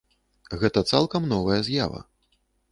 Гэта цалкам новая з'ява.